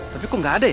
tapi kok gak ada ya